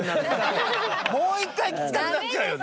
もう一回聞きたくなっちゃうよね。